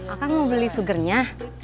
akang mau beli sugernya